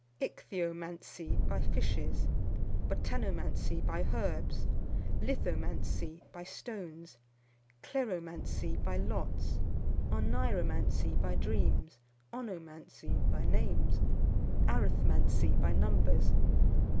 Ichthyomancy, by fishes. Botanomancy, by herbs. Lithomancy, by stones. Kleromancy, by lots. Oneiromancy, by dreams. Onomancy, by names. Arithmancy, by numbers.